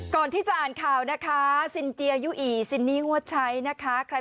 ก่อนที่จะอ่านข่าวนะคะซินเจียยู่อีซินนี่หัวใช้นะคะ